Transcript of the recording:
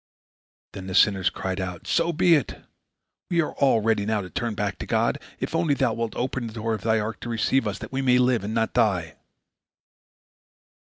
Then the sinners cried out: "So be it! We all are ready now to turn back to God, if only thou wilt open the door of thy ark to receive us, that we may live and not die."